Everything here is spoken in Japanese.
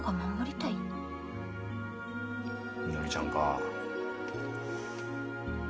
みのりちゃんか。